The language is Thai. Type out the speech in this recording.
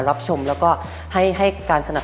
รับชมแล้วก็ให้สนับสงุน